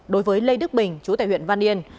đối với lê đức bình chú tại huyện văn yên